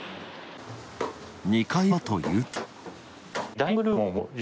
２階はというと。